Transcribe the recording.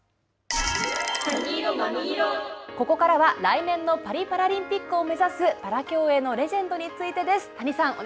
ここからは、来年のパリパラリンピックを目指すパラ競泳のレジェンドについてです。